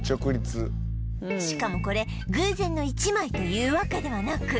しかもこれ偶然の一枚というわけではなく